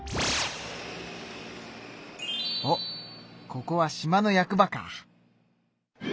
おっここは島の役場か。